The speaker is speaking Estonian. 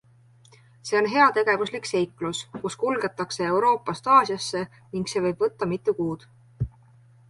See on heategevuslik seiklus, kus kulgetakse Euroopast Aasiasse ning see võib võtta mitu kuud.